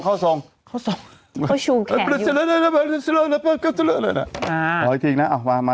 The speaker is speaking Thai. เขาชูแขนอยู่